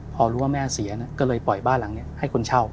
พอรู้ว่าแม่เสียก็เลยปล่อยบ้านหลังนี้ให้คนเช่า